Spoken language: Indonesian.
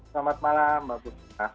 selamat malam mbak bukta